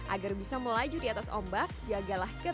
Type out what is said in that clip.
agar bisa melaju di atas ombak